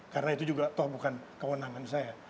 karena itu juga toh bukan kewenangan saya